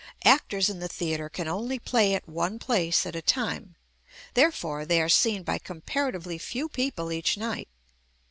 Actors in the theatre can only play at one place at a time; therefore, they are seen by com paratively few people each night.